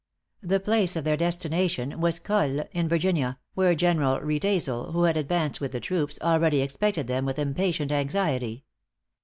The place of their destination was Colle, in Virginia, where General Riedesel, who had advanced with the troops, already expected them with impatient anxiety.